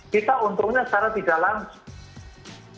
kita untungnya secara tidak langsung